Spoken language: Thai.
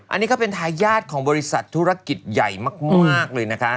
อันนี้ก็เป็นทายาทของบริษัทธุรกิจใหญ่มากเลยนะคะ